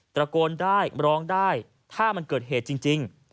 ระโกนได้ร้องได้ถ้ามันเกิดเหตุจริง